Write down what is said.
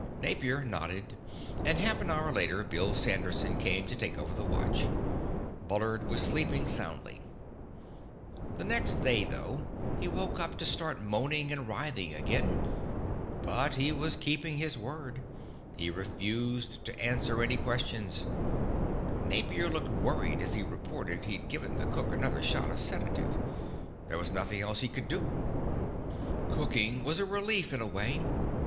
Napier nodded, and half an hour later Bill Sanderson came to take over the watch. Bullard was sleeping soundly. The next day, though, he woke up to start moaning and writhing again. But he was keeping his word. He refused to answer any questions. Napier looked worried as he reported he'd given the cook another shot of sedative. There was nothing else he could do. Cooking was a relief, in a way.